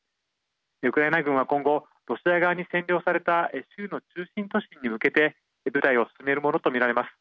ウクライナ軍は今後ロシア側に占領された州の中心都市に向けて部隊を進めるものと見られます。